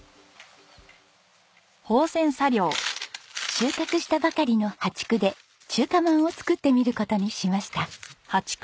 収穫したばかりの淡竹で中華まんを作ってみる事にしました。